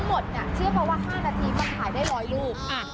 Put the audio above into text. โหยแล้วแบบเฮ้ยเฮ้ยเฮ้ย